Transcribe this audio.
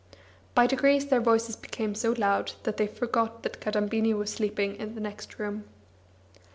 By degrees their voices became so loud that they forgot that Kadambini was sleeping in the next room.